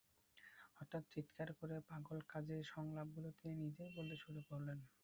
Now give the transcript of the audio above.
হঠাৎ চিৎকার করে পাগলা কাজীর সংলাপগুলো তিনি নিজেই বলতে শুরু করলেন।